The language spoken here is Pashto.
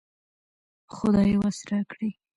خدايه وس راکړې